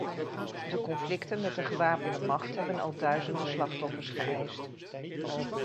De conflicten met de gewapende macht hebben al duizenden slachtoffers geëist.